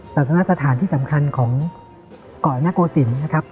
ศาสนาสถานที่สำคัญของเกาะนโกศิลป์นะครับ